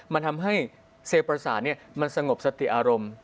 มันทำให้เศรษฐศาสตร์มันสงบสติอารมณ์